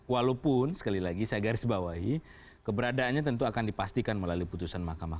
walaupun sekali lagi saya garis bawahi keberadaannya tentu akan dipastikan melalui putusan mahkamah